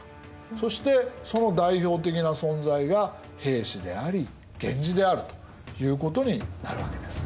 そしてその代表的な存在が平氏であり源氏であるということになるわけです。